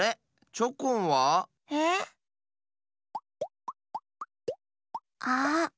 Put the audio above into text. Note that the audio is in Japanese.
チョコンは？えっ？あっ！